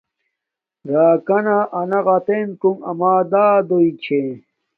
راکانا انا غتنڎ اما دادوݵ چھݵ